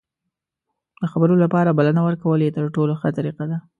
د خبرو لپاره بلنه ورکول یې تر ټولو ښه طریقه ده.